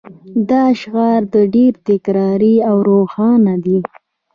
دا شعار ډیر تکراري او روښانه دی